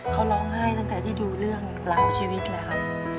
เขาร้องไห้ตั้งแต่ที่ดูเรื่องราวชีวิตเลยครับ